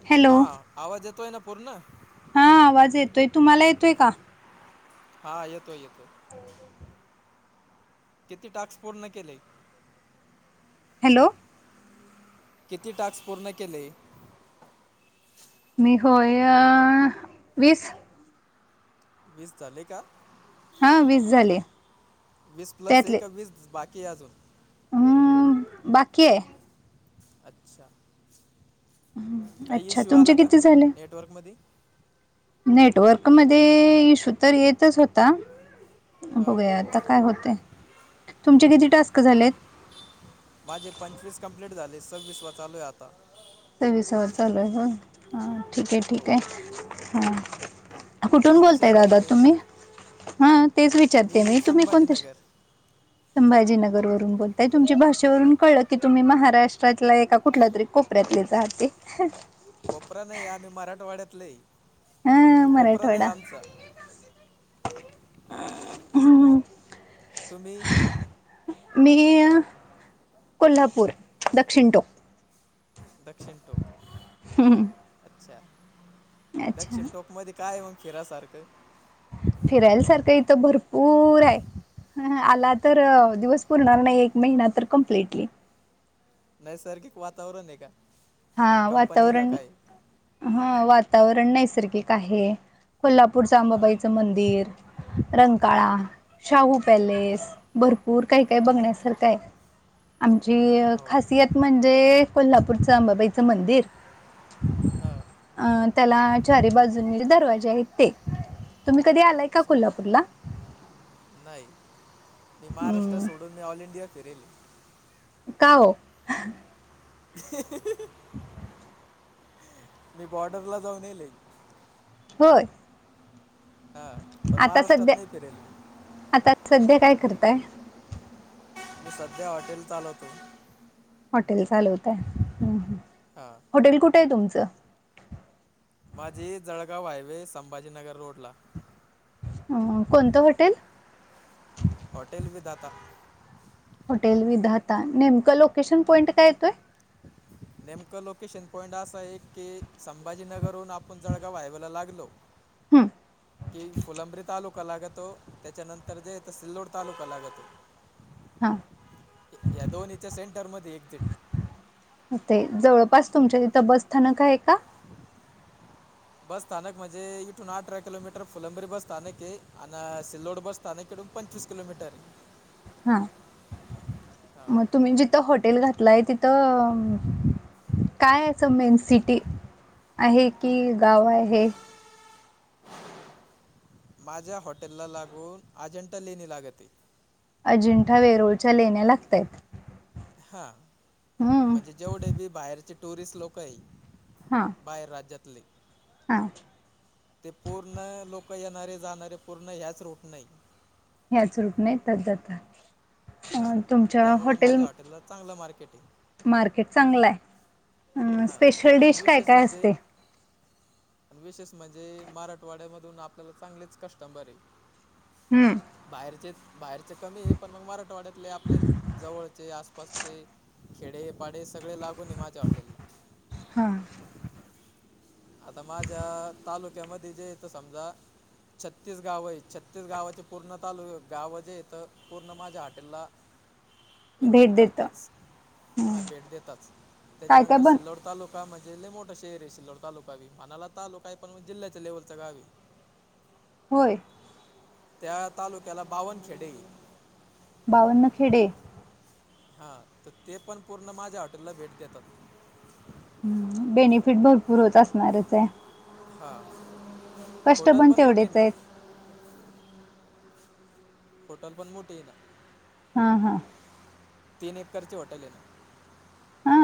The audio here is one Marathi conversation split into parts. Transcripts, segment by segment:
हॅलो हा आवाज येतोय ना पूर्ण हा आवाज येतोय तुम्हाला येतोय का हा येतो येतो ह किती टास्क पूर्ण केले हॅलो किती टास्क पूर्ण केले मी होय वीस वीस झाले का हा वीस झाले वीस प्लस आहे त्यातले का वीस बाकी क आजल हम्म बाकी अच्छा काही अच्छा इश्यू तुमचे आला का किती नेटवर्कमध्येध नेटवर्कमध्येध इशू तर येतच होता हां बघूया आता काय होत तुमचे किती टास्क झालेत माझे पंचवीस कंप्लीट झाले सव्वीस व चालू आहे आता विसावर चालू आहे हो ह ठीक आहे हो ठीक आहे हां कुठून कोणत्या बोलताय दादा शहरातून आहे तुम्ही हा तेच विचारते मी तुम्ही कोणते संभाजीनगर वरून बोलताय तुमच्या भाषेवरून कळलं की तुम्ही महाराष्ट्रातला एका कुठला तरी खूप रयत्नीच ते कोपरा नाही आम्ही मराठवाड्यातलाही हा मराठवाडा ह् तुम्ही मी कोल्हापूर दक्षिण टोप दक्षिण टोक अच्छा अच्छा दक्षिण टोक मध्ये काय मग फिरायसारखं? फिरायलासारखं इथं भरपूर हाय. ह आला तर दिवस पुरणार नाही एक महिना तर कमप्लिटली. नैसर्गिक वातावरण आहे का, की हा कंपनी वातावरण इलाका हाय? हा वातावरण नैसर्गिक आहे, कोल्हापूरचं हां आंबाबाईचं मंदिर. रंकाळा. हां शाहू हां पॅलेस, भरपूर काही काही हां बघण्यासारखं हाय. आमची हो खासियत म्हणजे कोल्हापूरचं अंबाबाईचं मंदिर. हा. अ त्याला चारी बाजून दरवाजे आहेत ते. तुम्ही कधी आलाय का अच्छा कोल्हापूरला? नाही, मी महाराष्ट्र हम्म सोडून मी ऑल इंडिया फिरेल. का ओ? ह मी बॉर्डरला जाऊन येेले. होय. ह [inaudible] हा पण आता महाराष्ट्रात सध्या नाही फिरेल. आता सध्या काय करताय? मी सध्या हॉटेल चालवतो. हॉटेल चालवत आहे ह. हां. हॉटेल कुठं आहे तुमचं? माझी जळगाव हायवे संभाजीनगर रोड ला. अ कोणतं hotel? Hotel Vidhata. Hotel Vidhata, नेमकं लोकेशन पॉइंट काय येतोय? नेमकं लोकेशन पॉइंट असं आहे की संभाजीनगरहून आपण जळगाव हायवे ला लागलो हम्म. की फुलंब्री तालुका लागतो त्याच्यानंतर जेेत सिल्लोड तालुका लागतो हां. या दोन्हीच्या सेंटरमध्ये एकझिट. हो ते, जवळपास तुमच्या तिथं बस स्थानक आहे का? बस स्थानक म्हणजे, इथून अठरा किलोमीटर फुलंबी बस स्थानक आहे आन सिल्लोड बस साणेकडून पंचवीस किलोमीटर. आहे हा हां मग तुम्ही जिथं हॉटेल घातलाय तिथं. काय असं मेन सिटी आहे, कि गाव आहे? माझ्या हॉटेलला लागून अजंटा लेणी लागते. अजिंठा वेरोळच्या लेण्या लागतयत. हा. म्हणजे जेवढे बी बाहेरचे टुरिस्ट लोक आहे. हा बाहेर राज्यातले. हां. ते पूर्ण लोक येणारे जाणारे पूर्ण ह्याच रूट नाही. ह्याच रूट न येतात जातात अ, हा तुमच्या त्यामुळे माझ्या हॉटेल हॉटेलला चांगलं मार्केट हे. मार्केट चांगला हाय. अ हां स्पेशल आणि डिश काय विशेष काय म्हणजे असते? विशेष म्हणजे मराठवाड्यामधून आपल्याला चांगलेच कस्टंबर आहे. हम्म. बाहेरचे, बाहेरचे कमी आहे पण मग मराठवाड्यातले आपले जवळचे आसपासचे. खेडे पाडे सगळे लागून आहे माझ्या हॉटेलला. हां. [unintelligible] आता माझ्या तालुक्यामध्ये जे येत समजा. छत्तीस गाव आहे छत्तीस गावाचे पूर्ण तालुक गाव जे इथं पूर्ण माझ्या हॉटेलला. ह. इन्व्हाइट करतच हम्म. हा भेट दताच काय काय त्याच्यानंतर बन सिल्लोड. तालुका म्हणे मोठे एरियाो तालुका. वी म्हनाला तालुका आहे पण म जिल्ह्याच्या लेवलचा गावी. होय. त्या तालुक्याला बावनखेडे. बावन्न खेडे. हा तर ते पण पूर्ण माझ्या हॉटेलला भेट देतात. हम्म बेनिफिट भरपूर होत असणार्याच आहे. हा कष्ट होटल पण मोठी तेवढेच ना. आहेत होटल पण मोठे आहे ना. हा हा. तीन एकरची हॉटेल आहे ना. हा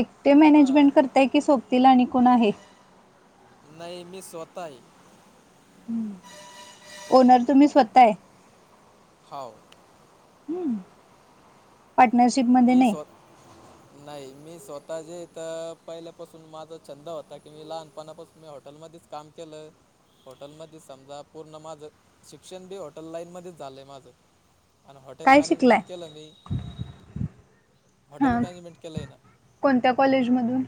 एकटे मॅनेजमेंट हां करताय की सोपतील आणि कोण आहे. नाही मीस होताही. ह ओनर तुम्ही स्वतः आहे. हाव. हम् पार्टनरशिपमध्ये मी नाही. स्व नाही मी स्वतः जे तर पहिल्यापासून माझा छंद होता की मी लहानपणापासून मी हॉटेलमध्येच. काम केलं. हॉटेलमध्ये समजा पूर्ण माझं शिक्षण बी हॉटेल लाईनमध्येध्येच झालंय माझं. आणि हॉटेल काय मॅनेजमेंट शिकलाय केलं मी. हॉटेल हा मॅनेजमें केलं ना. कोणत्या कॉलेजमधून?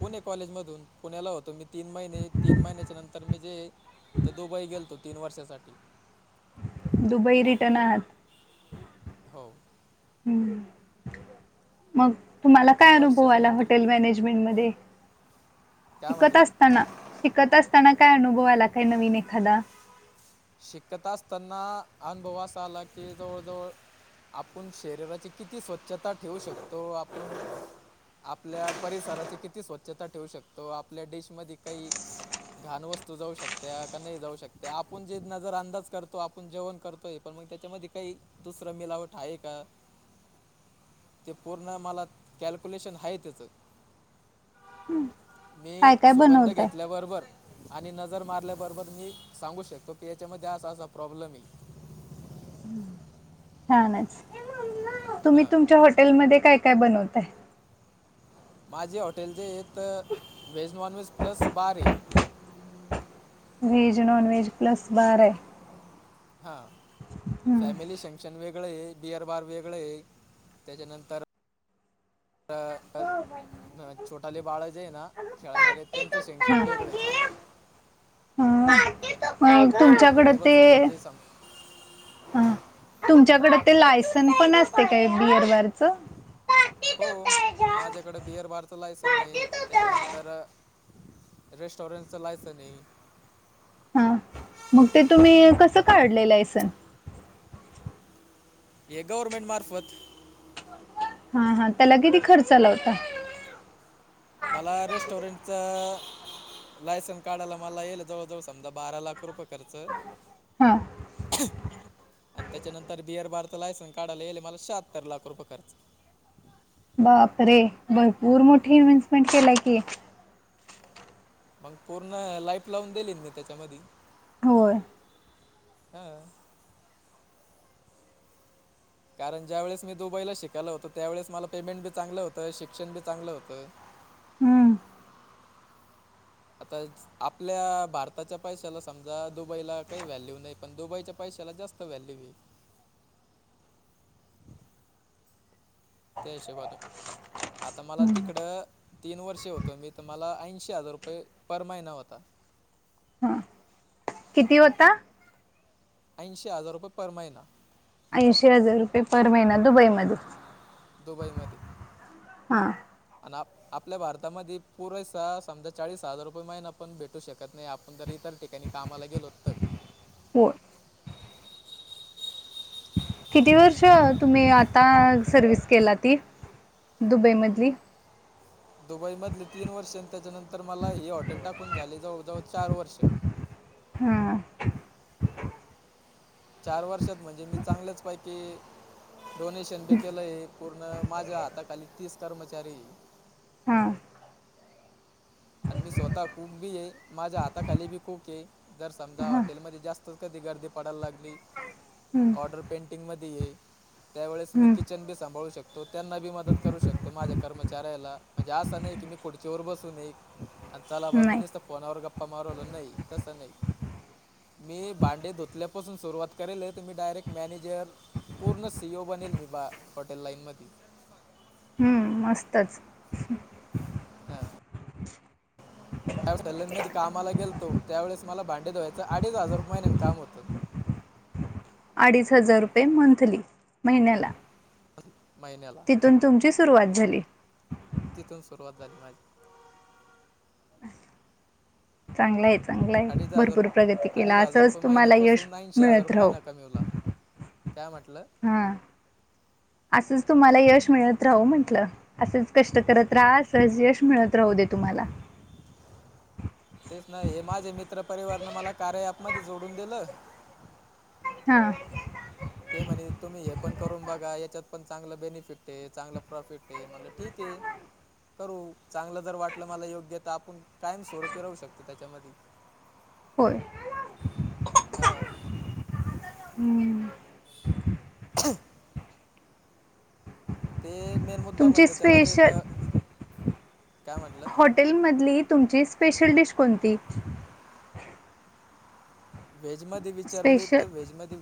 पुणे कॉलेज मधून पुण्याला होतो मी तीन महिने तीन महिन्याच्या नंतर मी जे. तर दुबई गेलतो तीन वर्षासाठी. दुबई रिटर्न आहात. हो. हम्म. मग तुम्हाला तीन काय अनुभव वर्षाच्या आला नंतर हॉटेल मॅनेजमेंट मध्ये. काय शिकत म्हटलं असताना शिकत असताना काय अनुभव आला काय नवीन एखादा. शिकत असताना अनुभवा अस आला की जवळजवळ. आपण शरीराची किती स्वच्छता ठेवू शकतो आपण. आपल्या परिसराची किती स्वच्छता ठेवू शकतो आपल्या डिश मध काही. घाण वस्तू जाऊ शकते का नाही जाऊ शकते आप आपण जे नजर अंदाज करतो आपण जेवण करतोय पण मग त्याच्यामध्ये काही दुसरं मिलावट आहे का? [unintelligible] ते पूर्ण मला कॅल्क्युलेशन आहे त्याचं. मी काय काय सुगंध बनवताय घेतल्याबरोबर आणि नजर मारल्याबरोबर मी सांगू शकतो. त पी एचच्या ममध्येे असा प्रॉब्लेमही. छानच तुम्ही हां तुमच्या हॉटेल मध्ये काय काय बनवताय. माझे हॉटेलचे य व्हेज नॉन व्हेज प्लस बारी. वेज नॉन वेज प्लस बारा आहे. हा हम्म. फॅमिली फंक्शन वेगळं आहे बडिअर बार वेगळं आहे त्याच्यानंतर. तर छोटाले बाळ जे ना खेळणारे. त्यांचं सेक्शन वेगळं आहे. हा. नाही. फॅमिली तुमच्याकडें टेबलसोबत ते- जे सांग हा. तुमच्याकडे ते लायसन पण असते काय? बीअ र बारच? हो. माझ्याकडें बिअर बारचं लायसन ए, त्याच्यानंतर- रेस्टॉरंटच लायसनए. हा. मग ते तुम्ही कसं काढल लायसन? हे गव्हर्मेंट मार्फत. हा हा. त्याला किती खर्च आला होता? मला रेस्टॉरंटच- लायसन्स काढायला मला येईलये जवळ जवळ समजा बारा लाख रुपये- कर्चं. हा आणि त्याच्यानंतर बीअर बार चा लायसन्स काढायला येयेलए मला शहात्तर लाख रुपये खर्च. बाप रे! भरपूर मोठी इन्व्हेस्टमेंट केलाय की. मग पूर्ण लाईफ लावून दिली ना मी? त्याच्यामधी. होय. हा‌. कारण ज्या वेळेस मी दुबईला शिकायलं होतं त्यावेळे मला पेमेंट बी चांगल होतं, शिक्षण बी चांगलं होतं. हम्म. आत्ताच आपल्या भारताच्या पैशाला समजा दुबईला काही व्हॅल्यू नाही पण दुबईच्या पैशाला जास्त व्हॅल्यू आहे. त्या हिशोबानं, आता मला हम्म तिकडं तीन वर्षे होतो मी तर मला ऐंशी हजार रुपये पर महिना होता हा, किती होत? ऐंशी हजार रुपये पर महिना. ऐंशी हजार रुपये पर महिना दुबईमध्ये. दुबईमध्ये. हां. अन आप आपल्या भारतामध्ये पुरेसा समजा चाळीस हजार रुपये महिना पण भेटू शकत नाही, आपण जरी इतरिक कधी कामाला गेलो तर! हो. किती वर्षं तुम्ही आता सर्व्हिस केला ती दुबईमधली दुबई मधले तीन वर्ष आणि त्याच्यानंतर मला हे हॉटेल टाकून झाली जवळजवळ चार वर्षे. हा. चार वर्षात म्हणजे मी चांगलेच पैकी. डोनेशन बी केलंय पूर्ण माझ्या हाताखाली तीस कर्मचारीये हां. आणि मी स्वतः कूक बी आहे, माझ्या हाताखाली बी कूक आहे, जर समजा हां हॉटेलमध्ये जास्त कधी गर्दी पडायला लागली हं ऑर्डर पेंटिंगमध्ये ये. त्यावेेळेस मी हं किचन बी सांभाळू शकतो, त्यांना बी मदत करू शकतो माझ्या कर्मचाऱ्याला. म्हणजे असं नाही की मी खुर्चीवर बसुनये आणि चला बाबा मी नाही नसत. फोनावर गप्पा मारू राहिलो नाही. तसं नाही. मी भांडे धुतल्यापासून सुरुवात करेल तुम्ही डायरेक्ट मॅनेजर. पूर्ण सी ओ बनेल विभाग हॉटेल लाईनमध्ये. हम्म मस्तच. त्यावेळेस सलूनमध्ये कामाला गेलतो त्यावेळेस मला भांडे धुवाचे अडीच हजार रूपयने महिना काम होतं. अडीच हजार रुपये मंथली, महिन्याला. महिन्याला. तून तुमची सुरुवात झाली. तिथून सुरुवात झाली माझी. चांगलय आहे चांगलय आहे अडीच हजार रुप भरपूर प्रगती अडीच केला हजार असंच रुपये तुम्हाला यश महिन्यापासून ऐंशी हजार मिळत रुपये राहो. महिना कमी [inaudible] काय म्हटलं? हा असंच तुम्हाला यश मिळत राहू म्हटलं. असंच कष्ट करत राहा, अस यश मिळत राहू दे तुम्हाला. तेच ना, हे माझे मित्रपरिवारनं मला कार्य ॲपमध्ये जोडून दिलं. हा. ते म्हणे, तुम्ही हे पण करून बघा. याच्यात पण चांगलं बेनिफिट आहे, चांगलं प्रॉफिट आहे. म्हणलं ठीक आहे. करू चांगलं जर वाटलं मला योग्य तर आपण कायम स्वरुपी राहु शकतो त्याच्यामध्ये. होय. हा. हं. [unintelligible] ते मेन मुद्दा तुमची म्हणजे त्याला जे इथ, स्पेशल काय म्हणला? हॉटेलमधली तुमची स्पेशल डिश कोणती? व्हेजमध्ये विचारली स्पेशल तर, व्हेजमध्ये-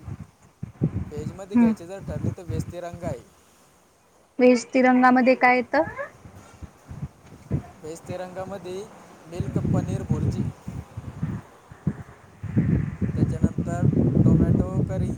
व्हेजमध्ये हं घ्यायची जर ठरली तर व्हेज - तिरंगाई. व्हेज तिरंगामध्ये काय येत? व्हेज तिरंगामध्ये मिल्क पनीर भुर्जी. त्याच्यानंतर टोमॅटो करी.